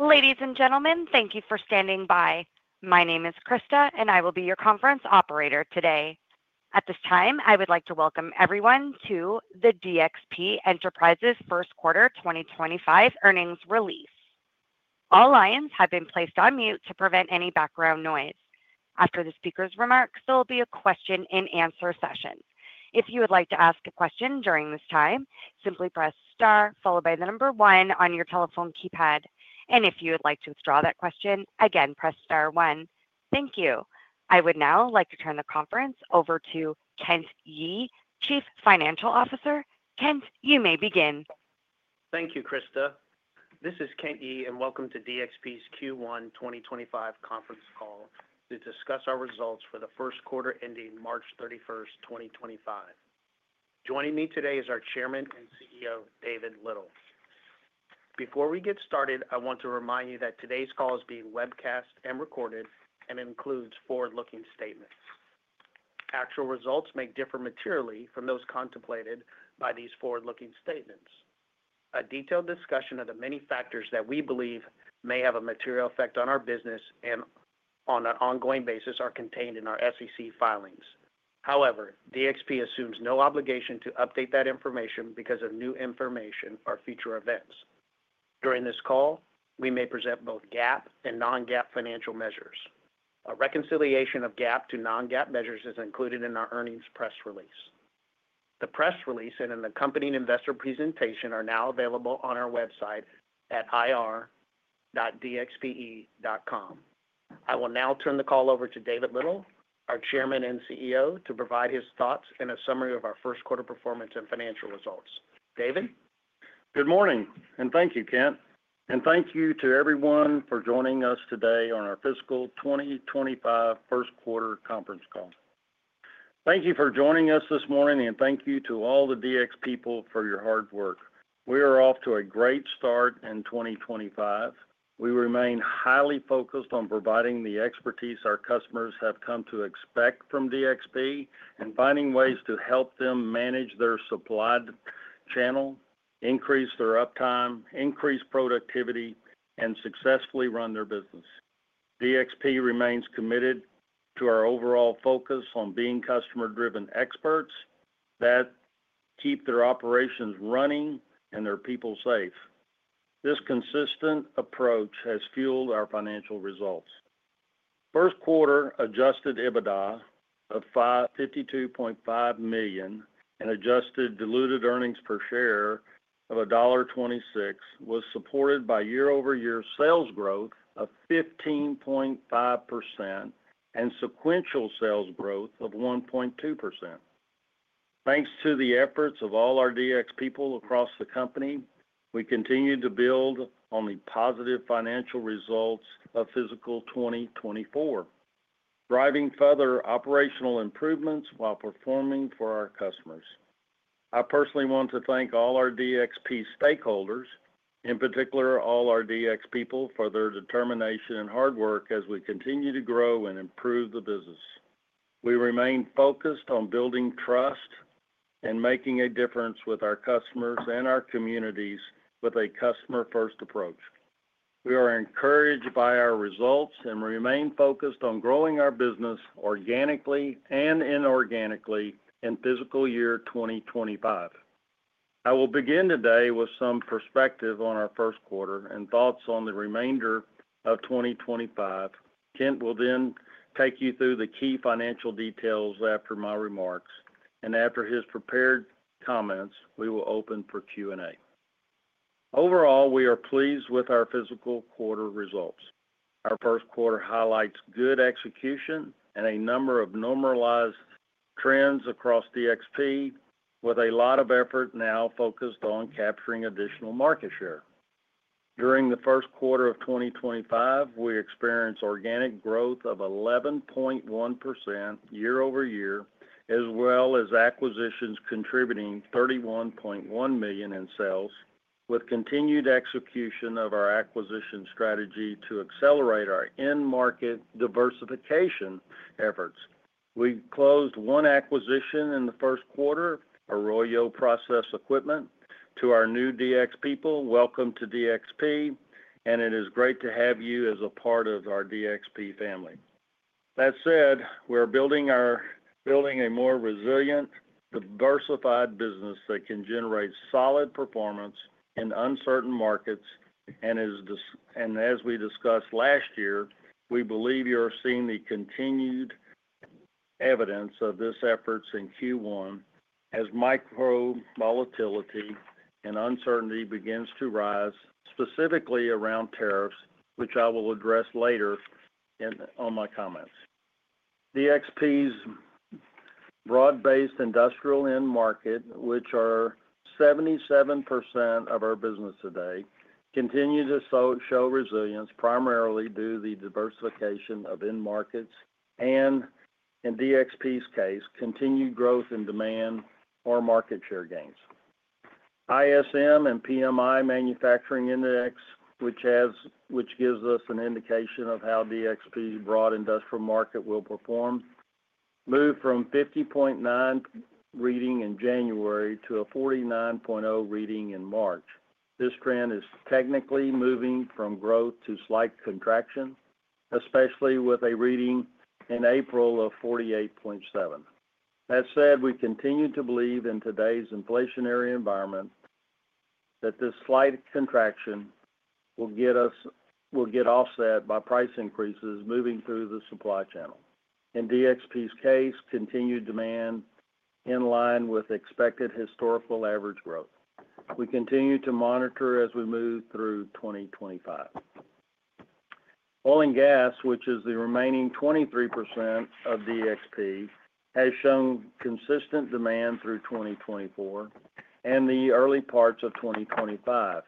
Ladies and gentlemen, thank you for standing by. My name is Krista, and I will be your conference operator today. At this time, I would like to welcome everyone to the DXP Enterprises' first quarter 2025 earnings release. All lines have been placed on mute to prevent any background noise. After the speaker's remarks, there will be a question-and-answer session. If you would like to ask a question during this time, simply press star followed by the number one on your telephone keypad. If you would like to withdraw that question, again, press star one. Thank you. I would now like to turn the conference over to Kent Yee, Chief Financial Officer. Kent, you may begin. Thank you, Krista. This is Kent Yee, and welcome to DXP's Q1 2025 conference call to discuss our results for the first quarter ending March 31, 2025. Joining me today is our Chairman and CEO, David Little. Before we get started, I want to remind you that today's call is being webcast and recorded and includes forward-looking statements. Actual results may differ materially from those contemplated by these forward-looking statements. A detailed discussion of the many factors that we believe may have a material effect on our business and on an ongoing basis are contained in our SEC filings. However, DXP assumes no obligation to update that information because of new information or future events. During this call, we may present both GAAP and non-GAAP financial measures. A reconciliation of GAAP to non-GAAP measures is included in our earnings press release. The press release and an accompanying investor presentation are now available on our website at ir.dxpenterprises.com. I will now turn the call over to David Little, our Chairman and CEO, to provide his thoughts and a summary of our first quarter performance and financial results. David. Good morning, and thank you, Kent. Thank you to everyone for joining us today on our fiscal 2025 first quarter conference call. Thank you for joining us this morning, and thank you to all the DXP people for your hard work. We are off to a great start in 2025. We remain highly focused on providing the expertise our customers have come to expect from DXP and finding ways to help them manage their supply channel, increase their uptime, increase productivity, and successfully run their business. DXP remains committed to our overall focus on being customer-driven experts that keep their operations running and their people safe. This consistent approach has fueled our financial results. First quarter adjusted EBITDA of $52.5 million and adjusted diluted earnings per share of $1.26 was supported by year-over-year sales growth of 15.5% and sequential sales growth of 1.2%. Thanks to the efforts of all our DXP people across the company, we continue to build on the positive financial results of fiscal 2024, driving further operational improvements while performing for our customers. I personally want to thank all our DXP stakeholders, in particular all our DXP people, for their determination and hard work as we continue to grow and improve the business. We remain focused on building trust and making a difference with our customers and our communities with a customer-first approach. We are encouraged by our results and remain focused on growing our business organically and inorganically in fiscal year 2025. I will begin today with some perspective on our first quarter and thoughts on the remainder of 2025. Kent will then take you through the key financial details after my remarks, and after his prepared comments, we will open for Q&A. Overall, we are pleased with our fiscal quarter results. Our first quarter highlights good execution and a number of normalized trends across DXP, with a lot of effort now focused on capturing additional market share. During the first quarter of 2025, we experienced organic growth of 11.1% year-over-year, as well as acquisitions contributing $31.1 million in sales, with continued execution of our acquisition strategy to accelerate our in-market diversification efforts. We closed one acquisition in the first quarter, Arroyo Process Equipment, to our new DX people. Welcome to DXP, and it is great to have you as a part of our DXP family. That said, we are building a more resilient, diversified business that can generate solid performance in uncertain markets. As we discussed last year, we believe you are seeing the continued evidence of this effort in Q1 as micro volatility and uncertainty begin to rise, specifically around tariffs, which I will address later in my comments. DXP's broad-based industrial end market, which are 77% of our business today, continues to show resilience primarily due to the diversification of end markets and, in DXP's case, continued growth in demand or market share gains. ISM and PMI manufacturing index, which gives us an indication of how DXP's broad industrial market will perform, moved from a 50.9 reading in January to a 49.0 reading in March. This trend is technically moving from growth to slight contraction, especially with a reading in April of 48.7. That said, we continue to believe in today's inflationary environment that this slight contraction will get us offset by price increases moving through the supply channel. In DXP's case, continued demand is in line with expected historical average growth. We continue to monitor as we move through 2025. Oil and gas, which is the remaining 23% of DXP, has shown consistent demand through 2024 and the early parts of 2025.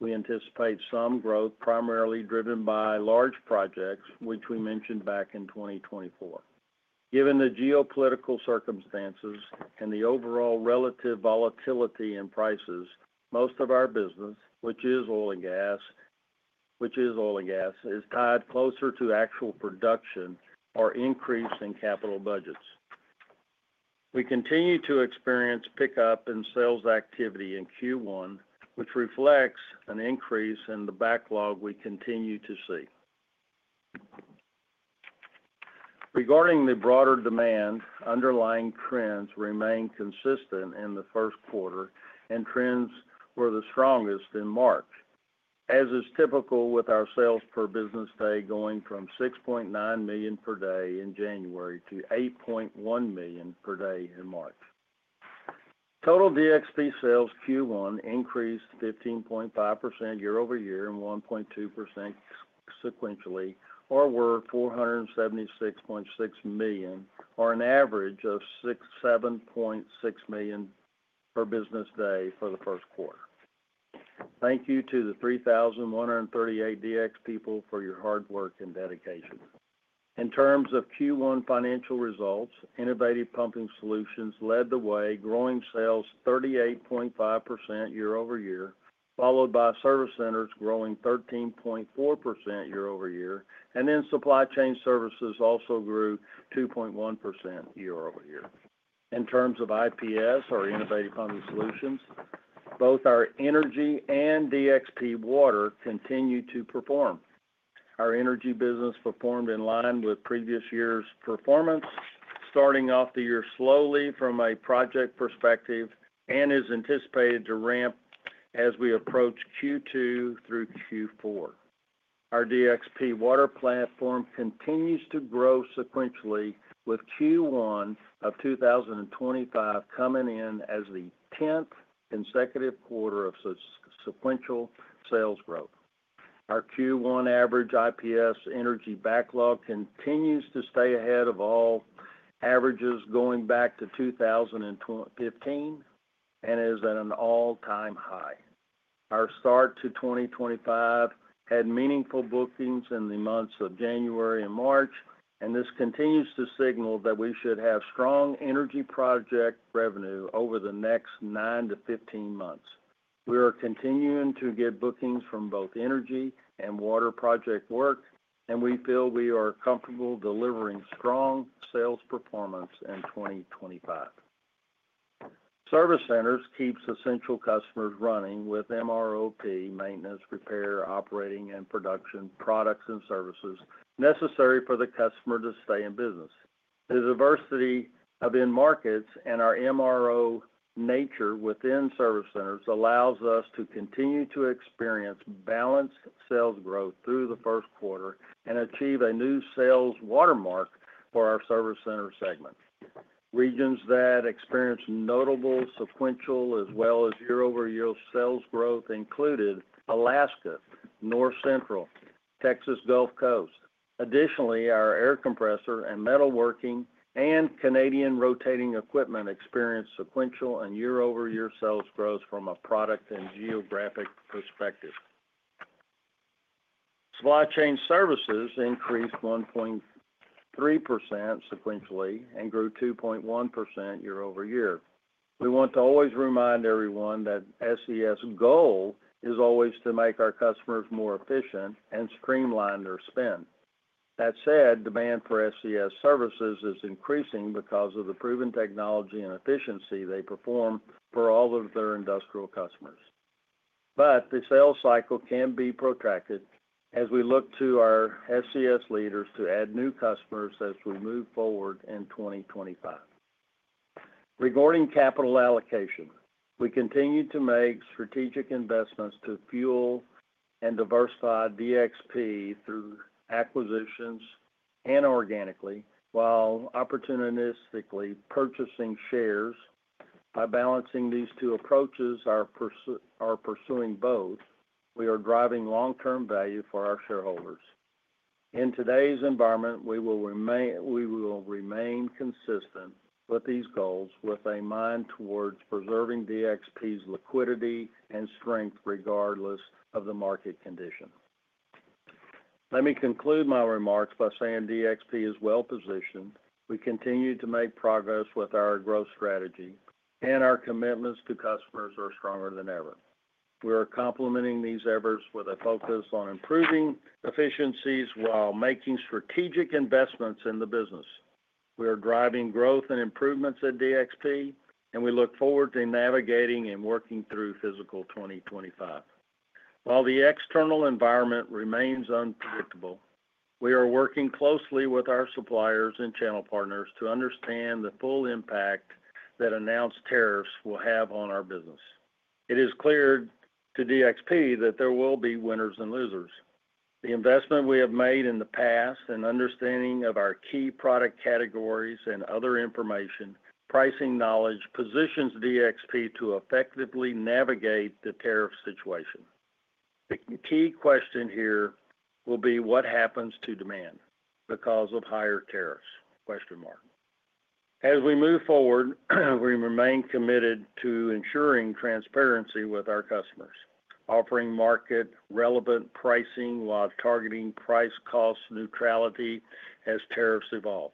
We anticipate some growth primarily driven by large projects, which we mentioned back in 2024. Given the geopolitical circumstances and the overall relative volatility in prices, most of our business, which is oil and gas, is tied closer to actual production or increase in capital budgets. We continue to experience pickup in sales activity in Q1, which reflects an increase in the backlog we continue to see. Regarding the broader demand, underlying trends remain consistent in the first quarter, and trends were the strongest in March, as is typical with our sales per business day going from $6.9 million per day in January to $8.1 million per day in March. Total DXP sales Q1 increased 15.5% year-over-year and 1.2% sequentially, or were $476.6 million, or an average of $67.6 million per business day for the first quarter. Thank you to the 3,138 DXP people for your hard work and dedication. In terms of Q1 financial results, Innovative Pumping Solutions led the way, growing sales 38.5% year-over-year, followed by Service Centers growing 13.4% year-over-year, and then Supply Chain Services also grew 2.1% year-over-year. In terms of IPS, our Innovative Pumping Solutions, both our energy and DXP water continue to perform. Our energy business performed in line with previous year's performance, starting off the year slowly from a project perspective and is anticipated to ramp as we approach Q2 through Q4. Our DXP water platform continues to grow sequentially, with Q1 of 2025 coming in as the 10th consecutive quarter of sequential sales growth. Our Q1 average IPS energy backlog continues to stay ahead of all averages going back to 2015 and is at an all-time high. Our start to 2025 had meaningful bookings in the months of January and March, and this continues to signal that we should have strong energy project revenue over the next 9-15 months. We are continuing to get bookings from both energy and water project work, and we feel we are comfortable delivering strong sales performance in 2025. Service Centers keep essential customers running with MRO: Maintenance, Repair, Operations, and Production products and services necessary for the customer to stay in business. The diversity of end markets and our MRO nature within Service Centers allows us to continue to experience balanced sales growth through the first quarter and achieve a new sales watermark for our Service Center segment. Regions that experienced notable sequential as well as year-over-year sales growth included Alaska, North Central, and the Texas Gulf Coast. Additionally, our air compressor and metalworking and Canadian rotating equipment experienced sequential and year-over-year sales growth from a product and geographic perspective. Supply Chain Services increased 1.3% sequentially and grew 2.1% year-over-year. We want to always remind everyone that SES' goal is always to make our customers more efficient and streamline their spend. That said, demand for SES services is increasing because of the proven technology and efficiency they perform for all of their industrial customers. The sales cycle can be protracted as we look to our SES leaders to add new customers as we move forward in 2025. Regarding capital allocation, we continue to make strategic investments to fuel and diversify DXP through acquisitions and organically, while opportunistically purchasing shares. By balancing these two approaches, we are pursuing both. We are driving long-term value for our shareholders. In today's environment, we will remain consistent with these goals with a mind towards preserving DXP's liquidity and strength regardless of the market condition. Let me conclude my remarks by saying DXP is well-positioned. We continue to make progress with our growth strategy, and our commitments to customers are stronger than ever. We are complementing these efforts with a focus on improving efficiencies while making strategic investments in the business. We are driving growth and improvements at DXP, and we look forward to navigating and working through fiscal 2025. While the external environment remains unpredictable, we are working closely with our suppliers and channel partners to understand the full impact that announced tariffs will have on our business. It is clear to DXP that there will be winners and losers. The investment we have made in the past and understanding of our key product categories and other information, pricing knowledge positions DXP to effectively navigate the tariff situation. The key question here will be, "What happens to demand because of higher tariffs?" As we move forward, we remain committed to ensuring transparency with our customers, offering market-relevant pricing while targeting price-cost neutrality as tariffs evolve.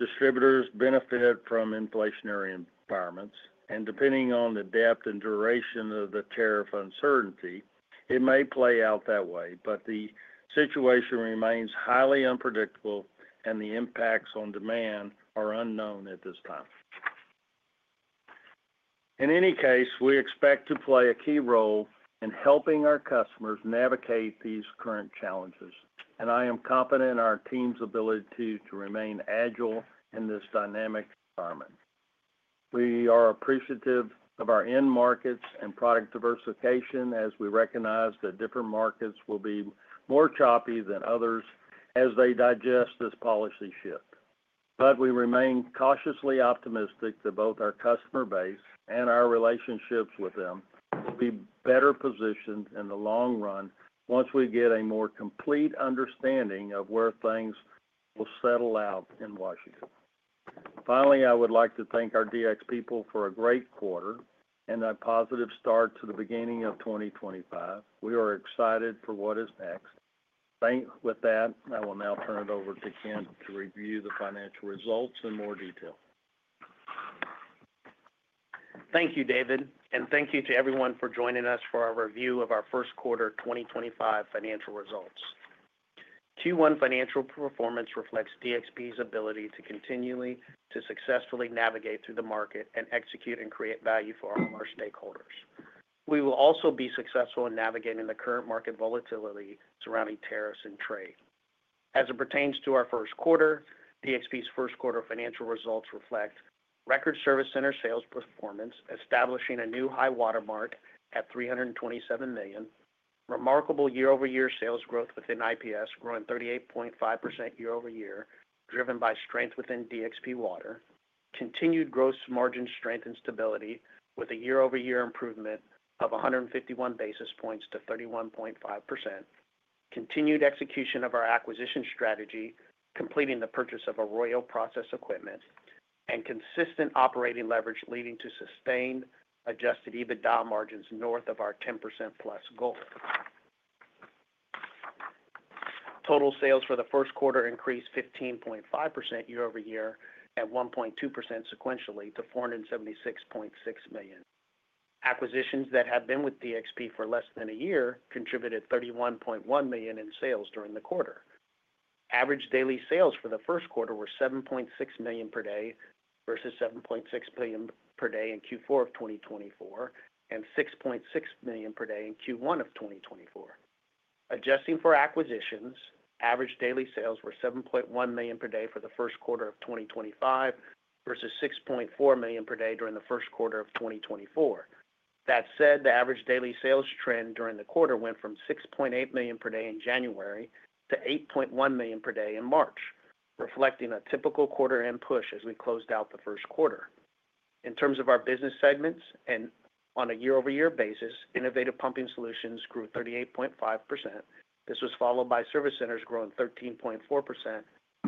Distributors benefit from inflationary environments, and depending on the depth and duration of the tariff uncertainty, it may play out that way, but the situation remains highly unpredictable, and the impacts on demand are unknown at this time. In any case, we expect to play a key role in helping our customers navigate these current challenges, and I am confident in our team's ability to remain agile in this dynamic environment. We are appreciative of our end markets and product diversification as we recognize that different markets will be more choppy than others as they digest this policy shift. We remain cautiously optimistic that both our customer base and our relationships with them will be better positioned in the long run once we get a more complete understanding of where things will settle out in Washington. Finally, I would like to thank our DXP people for a great quarter and a positive start to the beginning of 2025. We are excited for what is next. With that, I will now turn it over to Kent to review the financial results in more detail. Thank you, David, and thank you to everyone for joining us for our review of our first quarter 2025 financial results. Q1 financial performance reflects DXP's ability to continually successfully navigate through the market and execute and create value for all of our stakeholders. We will also be successful in navigating the current market volatility surrounding tariffs and trade. As it pertains to our first quarter, DXP's first quarter financial results reflect record Service Centers sales performance establishing a new high watermark at $327 million. Remarkable year-over-year sales growth within IPS, growing 38.5% year-over-year, driven by strength within DXP water. Continued gross margin strength and stability with a year-over-year improvement of 151 basis points to 31.5%. Continued execution of our acquisition strategy, completing the purchase of Arroyo Process Equipment, and consistent operating leverage leading to sustained adjusted EBITDA margins north of our 10% plus goal. Total sales for the first quarter increased 15.5% year-over-year and 1.2% sequentially to $476.6 million. Acquisitions that have been with DXP for less than a year contributed $31.1 million in sales during the quarter. Average daily sales for the first quarter were $7.6 million per day versus $7.6 million per day in Q4 of 2024 and $6.6 million per day in Q1 of 2024. Adjusting for acquisitions, average daily sales were $7.1 million per day for the first quarter of 2025 versus $6.4 million per day during the first quarter of 2024. That said, the average daily sales trend during the quarter went from $6.8 million per day in January to $8.1 million per day in March, reflecting a typical quarter-end push as we closed out the first quarter. In terms of our business segments and on a year-over-year basis, Innovative Pumping Solutions grew 38.5%. This was followed by Service Centers growing 13.4%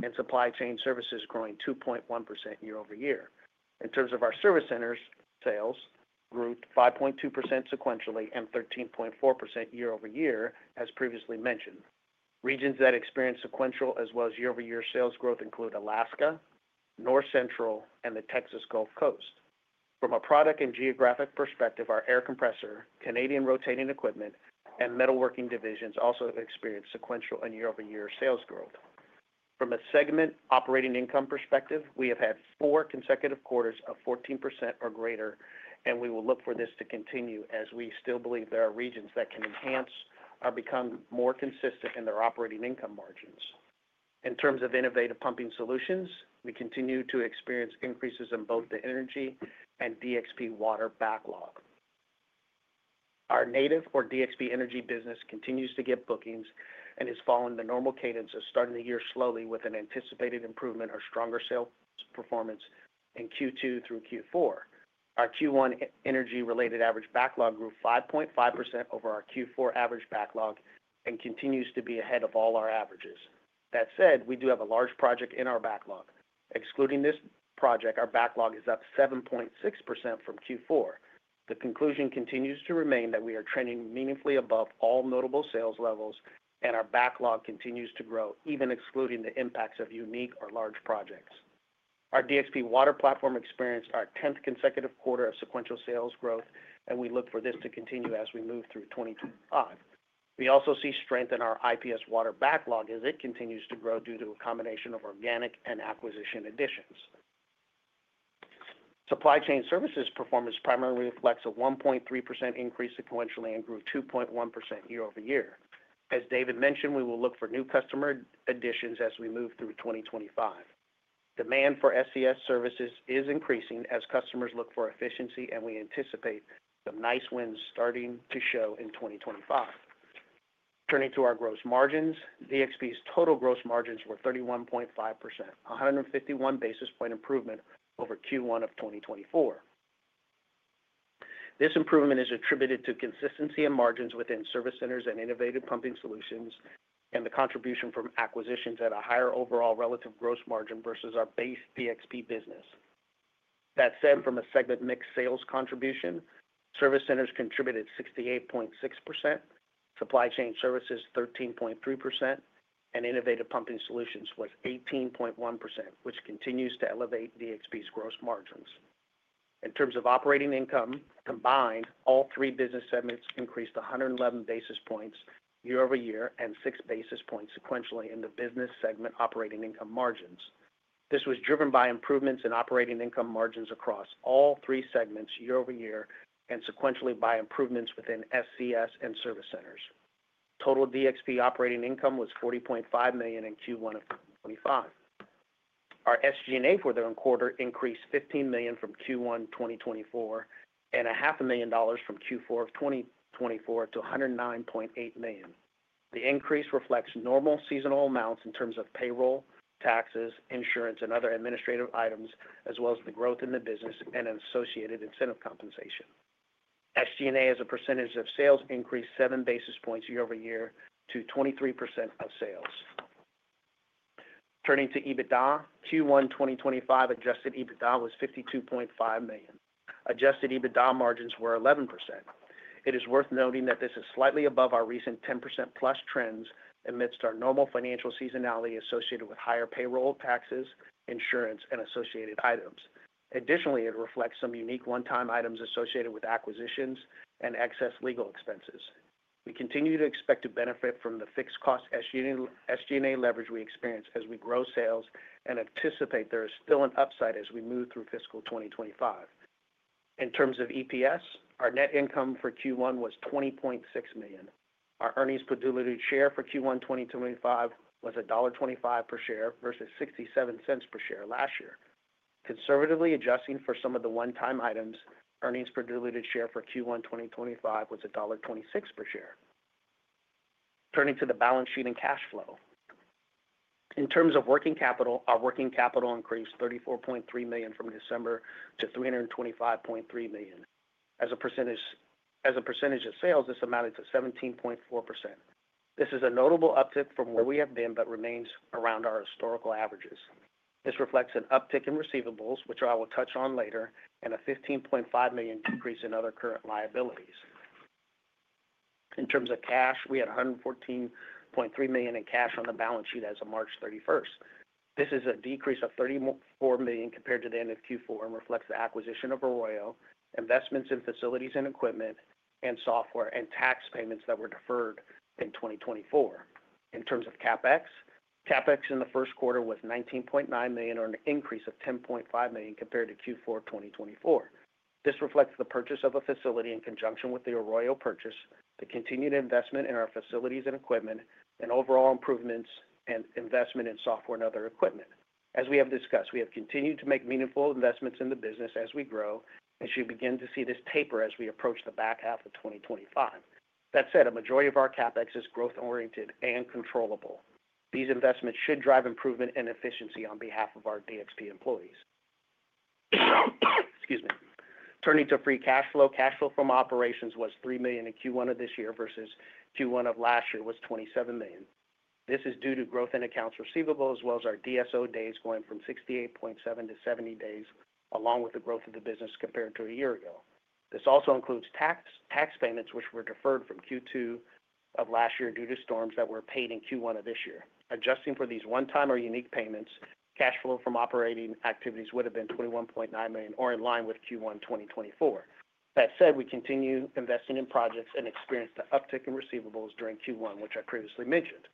and Supply Chain Services growing 2.1% year-over-year. In terms of our Service Centers, sales grew 5.2% sequentially and 13.4% year-over-year, as previously mentioned. Regions that experienced sequential as well as year-over-year sales growth include Alaska, North Central, and the Texas Gulf Coast. From a product and geographic perspective, our air compressor, Canadian rotating equipment, and metalworking divisions also experienced sequential and year-over-year sales growth. From a segment operating income perspective, we have had four consecutive quarters of 14% or greater, and we will look for this to continue as we still believe there are regions that can enhance or become more consistent in their operating income margins. In terms of innovative pumping solutions, we continue to experience increases in both the energy and DXP water backlog. Our native or DXP energy business continues to get bookings and is following the normal cadence of starting the year slowly with an anticipated improvement or stronger sales performance in Q2 through Q4. Our Q1 energy-related average backlog grew 5.5% over our Q4 average backlog and continues to be ahead of all our averages. That said, we do have a large project in our backlog. Excluding this project, our backlog is up 7.6% from Q4. The conclusion continues to remain that we are trending meaningfully above all notable sales levels, and our backlog continues to grow, even excluding the impacts of unique or large projects. Our DXP water platform experienced our 10th consecutive quarter of sequential sales growth, and we look for this to continue as we move through 2025. We also see strength in our IPS water backlog as it continues to grow due to a combination of organic and acquisition additions. Supply chain services performance primarily reflects a 1.3% increase sequentially and grew 2.1% year-over-year. As David mentioned, we will look for new customer additions as we move through 2025. Demand for SES services is increasing as customers look for efficiency, and we anticipate some nice wins starting to show in 2025. Turning to our gross margins, DXP's total gross margins were 31.5%, a 151 basis point improvement over Q1 of 2024. This improvement is attributed to consistency in margins within Service Centers and Innovative Pumping Solutions and the contribution from acquisitions at a higher overall relative gross margin versus our base DXP business. That said, from a segment mix sales contribution, Service Centers contributed 68.6%, Supply Chain Services 13.3%, and Innovative Pumping Solutions was 18.1%, which continues to elevate DXP's gross margins. In terms of operating income combined, all three business segments increased 111 basis points year-over-year and 6 basis points sequentially in the business segment operating income margins. This was driven by improvements in operating income margins across all three segments year-over-year and sequentially by improvements within SES and Service Centers. Total DXP operating income was $40.5 million in Q1 of 2025. Our SG&A for the quarter increased $15 million from Q1 2024 and $500,000 from Q4 of 2024 to $109.8 million. The increase reflects normal seasonal amounts in terms of payroll, taxes, insurance, and other administrative items, as well as the growth in the business and associated incentive compensation. SG&A as a percentage of sales increased 7 basis points year-over-year to 23% of sales. Turning to EBITDA, Q1 2025 adjusted EBITDA was $52.5 million. Adjusted EBITDA margins were 11%. It is worth noting that this is slightly above our recent 10% plus trends amidst our normal financial seasonality associated with higher payroll, taxes, insurance, and associated items. Additionally, it reflects some unique one-time items associated with acquisitions and excess legal expenses. We continue to expect to benefit from the fixed cost SG&A leverage we experience as we grow sales and anticipate there is still an upside as we move through fiscal 2025. In terms of EPS, our net income for Q1 was $20.6 million. Our earnings per diluted share for Q1 2025 was $1.25 per share versus $0.67 per share last year. Conservatively adjusting for some of the one-time items, earnings per diluted share for Q1 2025 was $1.26 per share. Turning to the balance sheet and cash flow. In terms of working capital, our working capital increased $34.3 million from December to $325.3 million. As a percentage of sales, this amounted to 17.4%. This is a notable uptick from where we have been but remains around our historical averages. This reflects an uptick in receivables, which I will touch on later, and a $15.5 million decrease in other current liabilities. In terms of cash, we had $114.3 million in cash on the balance sheet as of March 31st. This is a decrease of $34 million compared to the end of Q4 and reflects the acquisition of Arroyo, investments in facilities and equipment and software, and tax payments that were deferred in 2024. In terms of CapEx, CapEx in the first quarter was $19.9 million or an increase of $10.5 million compared to Q4 2024. This reflects the purchase of a facility in conjunction with the Arroyo purchase, the continued investment in our facilities and equipment, and overall improvements and investment in software and other equipment. As we have discussed, we have continued to make meaningful investments in the business as we grow, and should begin to see this taper as we approach the back half of 2025. That said, a majority of our CapEx is growth-oriented and controllable. These investments should drive improvement and efficiency on behalf of our DXP employees. Excuse me. Turning to free cash flow, cash flow from operations was $3 million in Q1 of this year versus Q1 of last year was $27 million. This is due to growth in accounts receivable as well as our DSO days going from 68.7 to 70 days, along with the growth of the business compared to a year ago. This also includes tax payments, which were deferred from Q2 of last year due to storms that were paid in Q1 of this year. Adjusting for these one-time or unique payments, cash flow from operating activities would have been $21.9 million or in line with Q1 2024. That said, we continue investing in projects and experience the uptick in receivables during Q1, which I previously mentioned.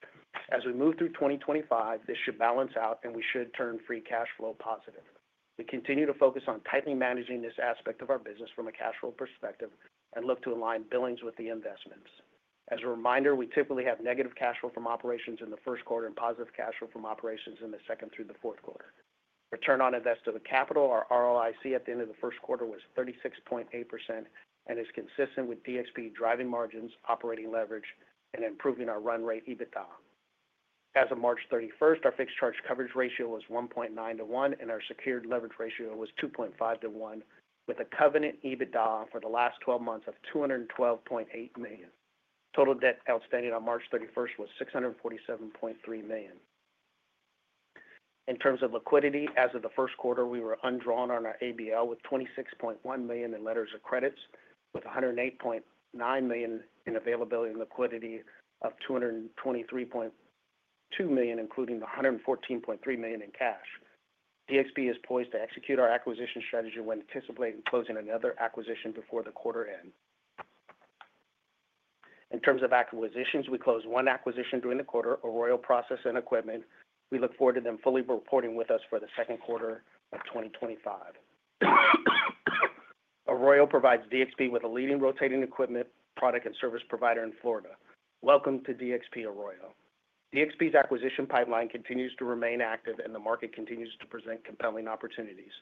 As we move through 2025, this should balance out, and we should turn free cash flow positive. We continue to focus on tightly managing this aspect of our business from a cash flow perspective and look to align billings with the investments. As a reminder, we typically have negative cash flow from operations in the first quarter and positive cash flow from operations in the second through the fourth quarter. Return on invested capital, our ROIC at the end of the first quarter was 36.8% and is consistent with DXP driving margins, operating leverage, and improving our run rate EBITDA. As of March 31, our fixed charge coverage ratio was 1.9 to 1, and our secured leverage ratio was 2.5 to 1, with a covenant EBITDA for the last 12 months of $212.8 million. Total debt outstanding on March 31 was $647.3 million. In terms of liquidity, as of the first quarter, we were undrawn on our ABL with $26.1 million in letters of credit, with $108.9 million in availability and liquidity of $223.2 million, including the $114.3 million in cash. DXP is poised to execute our acquisition strategy when anticipating closing another acquisition before the quarter end. In terms of acquisitions, we closed one acquisition during the quarter, Arroyo Process Equipment. We look forward to them fully reporting with us for the second quarter of 2025. Arroyo provides DXP with a leading rotating equipment product and service provider in Florida. Welcome to DXP Arroyo. DXP's acquisition pipeline continues to remain active, and the market continues to present compelling opportunities.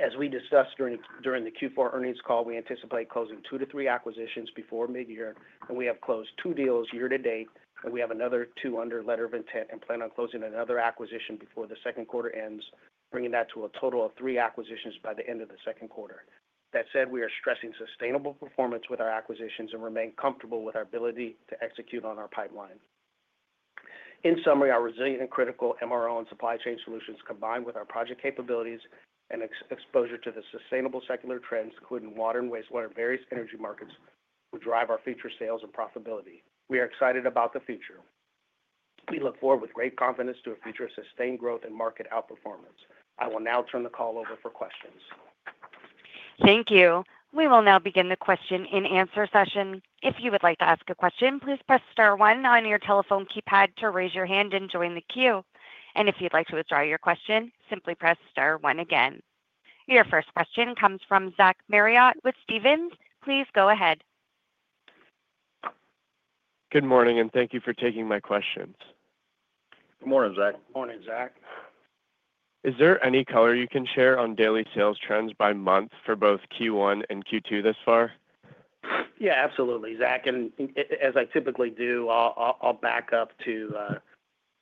As we discussed during the Q4 earnings call, we anticipate closing two to three acquisitions before mid-year, and we have closed two deals year to date, and we have another two under letter of intent and plan on closing another acquisition before the second quarter ends, bringing that to a total of three acquisitions by the end of the second quarter. That said, we are stressing sustainable performance with our acquisitions and remain comfortable with our ability to execute on our pipeline. In summary, our resilient and critical MRO and supply chain solutions combined with our project capabilities and exposure to the sustainable secular trends, including water and wastewater and various energy markets, will drive our future sales and profitability. We are excited about the future. We look forward with great confidence to a future of sustained growth and market outperformance. I will now turn the call over for questions. Thank you. We will now begin the question and answer session. If you would like to ask a question, please press star one on your telephone keypad to raise your hand and join the queue. If you'd like to withdraw your question, simply press star one again. Your first question comes from Zach Marriott with Stephens. Please go ahead. Good morning, and thank you for taking my questions. Good morning, Zach. Morning, Zach. Is there any color you can share on daily sales trends by month for both Q1 and Q2 this far? Yeah, absolutely, Zach. As I typically do, I'll back up to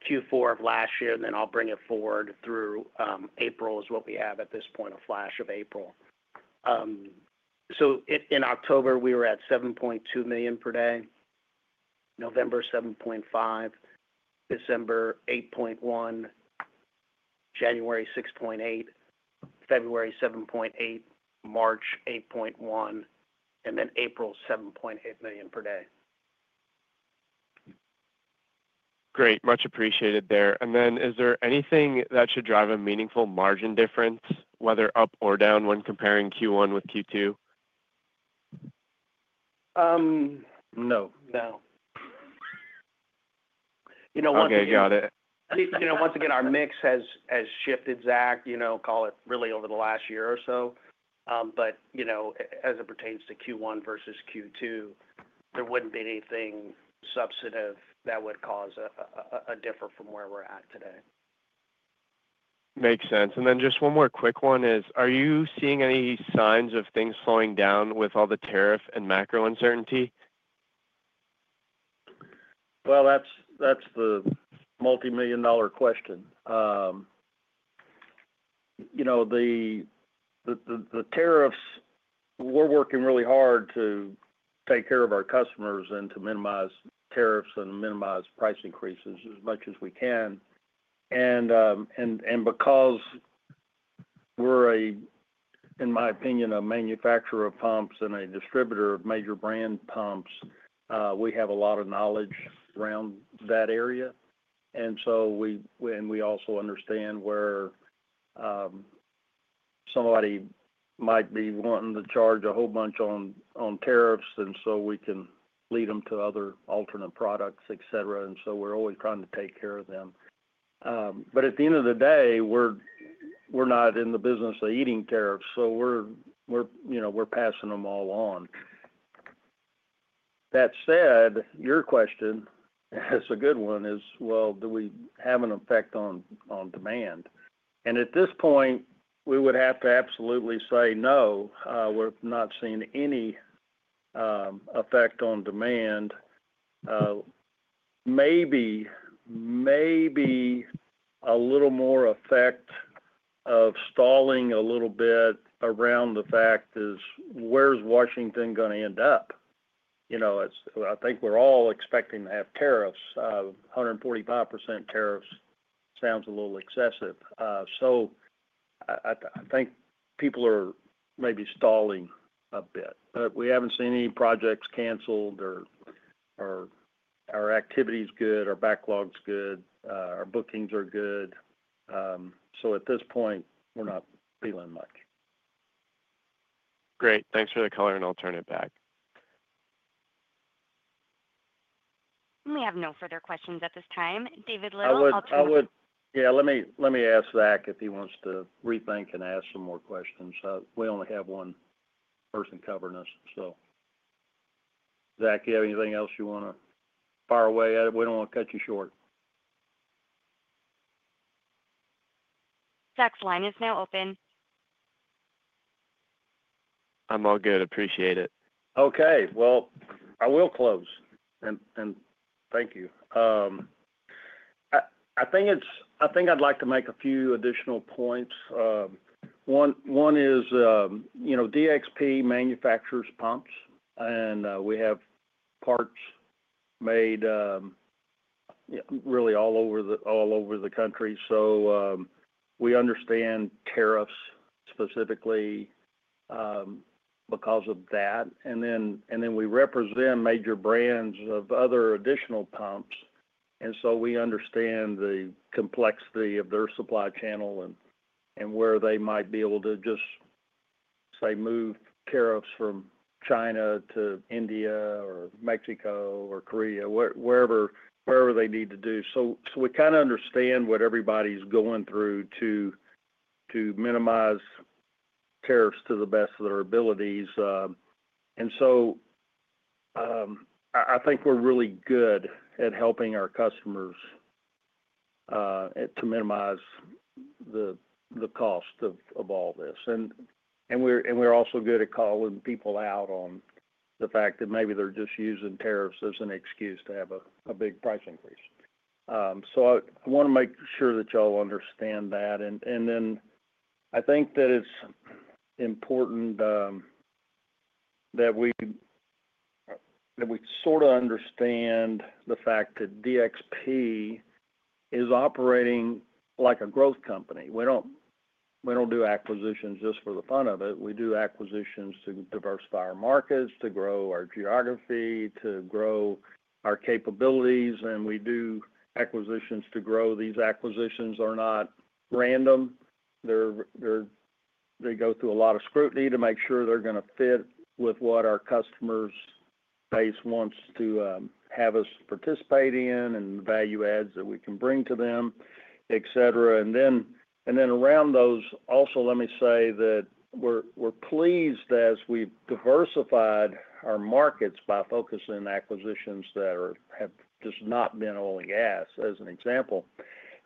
Q4 of last year, and then I'll bring it forward through April is what we have at this point, a flash of April. In October, we were at $7.2 million per day. November, $7.5 million. December, $8.1 million. January, $6.8 million. February, $7.8 million. March, $8.1 million. And then April, $7.8 million per day. Great. Much appreciated there. And then is there anything that should drive a meaningful margin difference, whether up or down, when comparing Q1 with Q2? No. No. You know, once again, OK, got it. You know, Once again, our mix has shifted, Zach, call it really over the last year or so. But as it pertains to Q1 versus Q2, there would not be anything substantive that would cause a difference from where we are at today. Makes sense. And then just one more quick one is, are you seeing any signs of things slowing down with all the tariff and macro uncertainty? That is the multimillion-dollar question. The tariffs, we are working really hard to take care of our customers and to minimize tariffs and minimize price increases as much as we can. Because we're, in my opinion, a manufacturer of pumps and a distributor of major brand pumps, we have a lot of knowledge around that area. We also understand where somebody might be wanting to charge a whole bunch on tariffs, and we can lead them to other alternate products, etc. We're always trying to take care of them. At the end of the day, we're not in the business of eating tariffs, so we're passing them all on. That said, your question, it's a good one, is, do we have an effect on demand? At this point, we would have to absolutely say no. We've not seen any effect on demand. Maybe a little more effect of stalling a little bit around the fact is, where's Washington going to end up? I think we're all expecting to have tariffs. 145% tariffs sounds a little excessive. I think people are maybe stalling a bit. We haven't seen any projects canceled. Our activity is good. Our backlog is good. Our bookings are good. At this point, we're not feeling much. Great. Thanks for the color, and I'll turn it back. We have no further questions at this time. David Little, I'll turn it back. Yeah, let me ask Zach if he wants to rethink and ask some more questions. We only have one person covering us, so. Zach, do you have anything else you want to fire away at? We don't want to cut you short. Zach's line is now open. I'm all good. Appreciate it. Okay. I will close. Thank you. I think I'd like to make a few additional points. One is DXP manufactures pumps, and we have parts made really all over the country. We understand tariffs specifically because of that. We represent major brands of other additional pumps, and we understand the complexity of their supply channel and where they might be able to just, say, move tariffs from China to India or Mexico or Korea, wherever they need to do. We kind of understand what everybody's going through to minimize tariffs to the best of their abilities. I think we're really good at helping our customers to minimize the cost of all this. We're also good at calling people out on the fact that maybe they're just using tariffs as an excuse to have a big price increase. I want to make sure that y'all understand that. I think that it's important that we sort of understand the fact that DXP is operating like a growth company. We don't do acquisitions just for the fun of it. We do acquisitions to diversify our markets, to grow our geography, to grow our capabilities, and we do acquisitions to grow. These acquisitions are not random. They go through a lot of scrutiny to make sure they're going to fit with what our customers' base wants to have us participate in and the value adds that we can bring to them, etc. Around those, also, let me say that we're pleased that we've diversified our markets by focusing on acquisitions that have just not been oil and gas, as an example,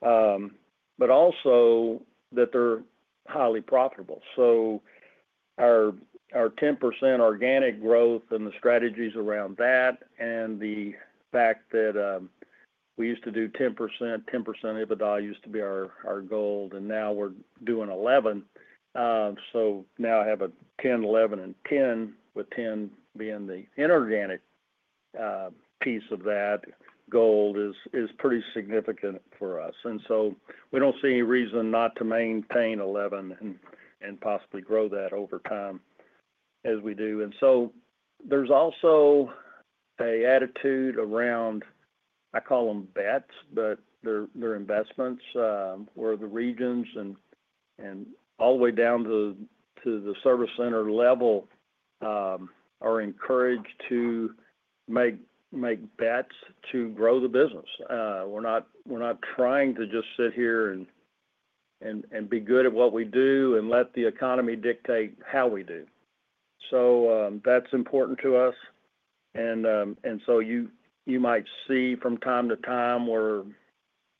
but also that they're highly profitable. Our 10% organic growth and the strategies around that and the fact that we used to do 10%, 10% EBITDA used to be our goal, and now we're doing 11. Now I have a 10, 11, and 10, with 10 being the inorganic piece of that, gold is pretty significant for us. We do not see any reason not to maintain 11 and possibly grow that over time as we do. There is also an attitude around, I call them bets, but they're investments where the regions and all the way down to the service center level are encouraged to make bets to grow the business. We are not trying to just sit here and be good at what we do and let the economy dictate how we do. That is important to us. You might see from time to time where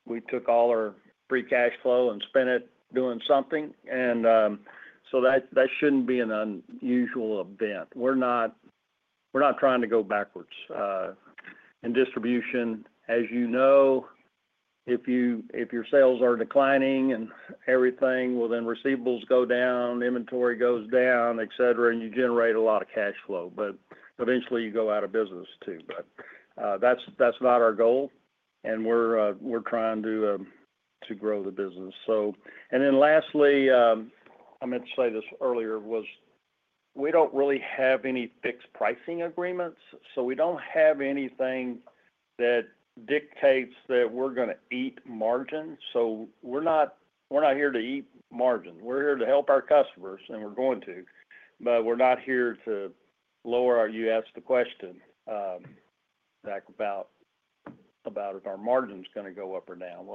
we took all our free cash flow and spent it doing something. That should not be an unusual event. We are not trying to go backwards. In distribution, as you know, if your sales are declining and everything, receivables go down, inventory goes down, etc., and you generate a lot of cash flow. Eventually, you go out of business too. That is not our goal, and we are trying to grow the business. Lastly, I meant to say this earlier, we do not really have any fixed pricing agreements. We do not have anything that dictates that we are going to eat margins. We are not here to eat margins. We are here to help our customers, and we are going to. We are not here to lower our—you asked the question, Zach, about if our margin is going to go up or down.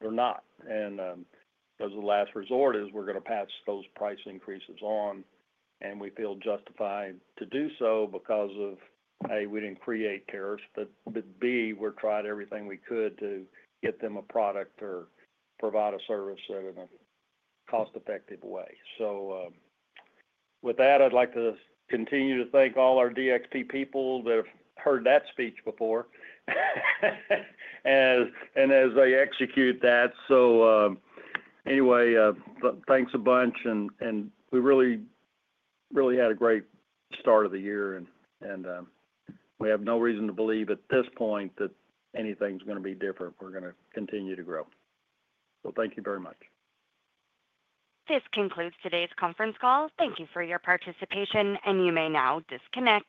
They are not. As a last resort, we are going to pass those price increases on, and we feel justified to do so because of, A, we did not create tariffs, but, B, we are trying everything we could to get them a product or provide a service in a cost-effective way. With that, I would like to continue to thank all our DXP people that have heard that speech before and as they execute that. Anyway, thanks a bunch. We really had a great start of the year, and we have no reason to believe at this point that anything is going to be different. We are going to continue to grow. Thank you very much. This concludes today's conference call. Thank you for your participation, and you may now disconnect.